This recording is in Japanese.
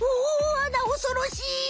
あなおそろしい！